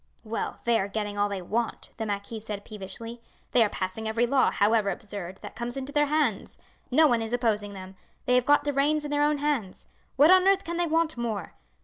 "Well, they are getting all they want," the marquis said peevishly. "They are passing every law, however absurd, that comes into their hands. No one is opposing them. They have got the reins in their own hands. What on earth can they want more?